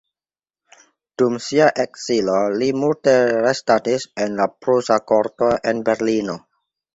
Dum sia ekzilo li multe restadis en la prusa korto en Berlino.